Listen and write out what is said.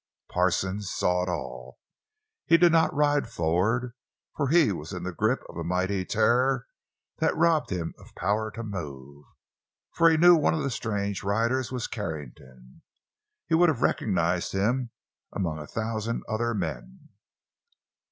Parsons saw it all. But he did not ride forward, for he was in the grip of a mighty terror that robbed him of power to move. For he knew one of the strange riders was Carrington. He would have recognized him among a thousand other men.